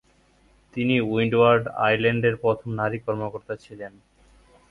তিনি Windward Island এর প্রথম নারী কর্মকর্তা ছিলেন।